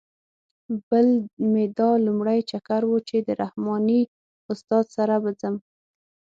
بل مې دا لومړی چکر و چې د رحماني استاد سره به ځم.